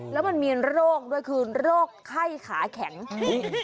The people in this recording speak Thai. แล้วมันมีโรคด้วยคือโรคไข้ขาแข็งอุ้ย